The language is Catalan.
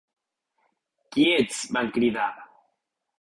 "Quiets", van cridar.